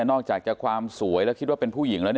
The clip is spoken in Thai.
นอกจากจะความสวยแล้วคิดว่าเป็นผู้หญิงแล้ว